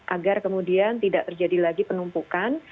agar kemudian tidak terjadi lagi penumpukan